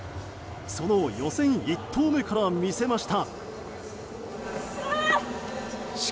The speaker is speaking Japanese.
その予選１投目から魅せました。